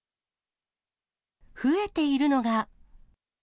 増えているのが。